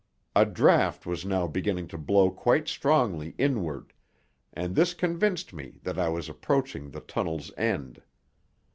A draft was now beginning to blow quite strongly inward, and this convinced me that I was approaching the tunnel's end.